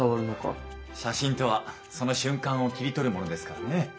写真とはその瞬間を切り取るものですからね。